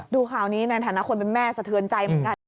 ดูข่าวนี้ในฐานะคนเป็นแม่สะเทือนใจเหมือนกัน